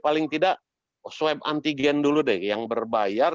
paling tidak swab antigen dulu deh yang berbayar